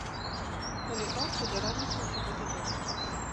Калі так, то да раніцы ўсё будзе добра.